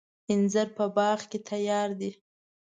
انجیر په باغ کې تیار دی.